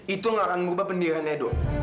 itu tidak akan merubah pendirian edo